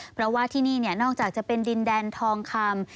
เพราะว่าที่นี่นอกจากจะเป็นดินแดนทองคำ